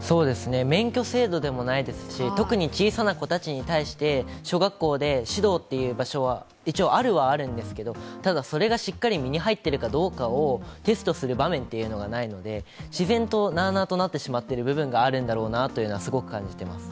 免許制度でもないですし特に小さな子たちに対して小学校で指導っていう場所は、一応あるはあるんですけど、ただ、それがしっかり身に入っているかどうかをテストする場面というのがないので自然となあなあとなってしまっているのはすごく感じています。